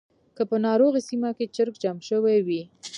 که په ناروغۍ سیمه کې چرک جمع شوی وي.